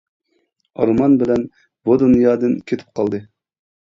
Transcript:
ئارمان بىلەن بۇ دۇنيادىن كېتىپ قالدى.